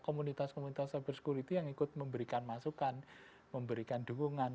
komunitas komunitas cyber security yang ikut memberikan masukan memberikan dukungan